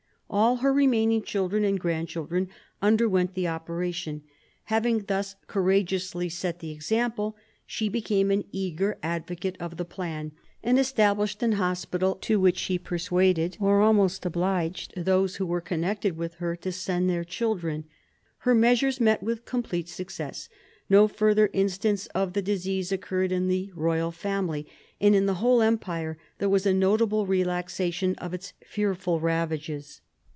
All her remaining children and grandchildren underwent the operation. Having thus courageously set the example, she became an eager advocate of the plan, and established an hospital, to which she persuaded or almost obliged those who were connected with her to send their children. Her measures met with complete success; no further instance of the disease occurred in the royal family; and in the whole empire there was a notable relaxation of its fearful ravages.